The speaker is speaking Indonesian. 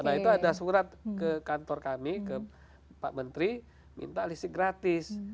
nah itu ada surat ke kantor kami ke pak menteri minta listrik gratis